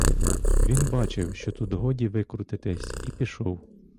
Він бачив, що тут годі викрутитись, і пішов.